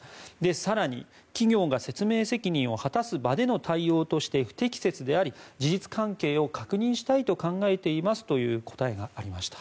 更に、企業が説明責任を果たす場での対応として不適切であり事実関係を確認したいと考えていますという答えがありました。